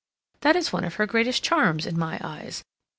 That is one of her greatest charms in my eyes.